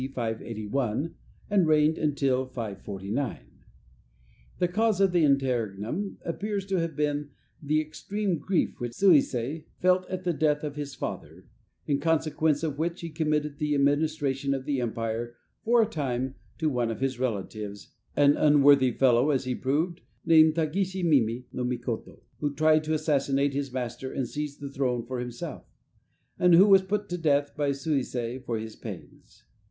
581 and reigned till 549. The cause of the interregnum appears to have been the extreme grief which Suisei felt at the death of his father, in consequence of which he committed the administration of the empire, for a time, to one of his relatives an unworthy fellow, as he proved, named Tagishi Mimi no Mikoto, who tried to assassinate his master and seize the throne for himself, and who was put to death by Suisei for his pains.